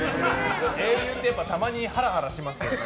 英雄って、やっぱりたまにハラハラしますよね。